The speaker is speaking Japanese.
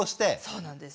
そうなんです。